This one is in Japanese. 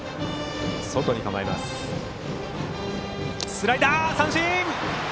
スライダーで三振！